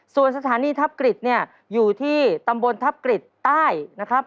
ส่วนสถานีทัพกริจอยู่ที่ตำบลทัพกริจใต้นะครับ